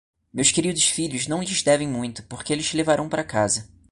Meus queridos filhos não lhes devem muito, porque eles te levarão para casa.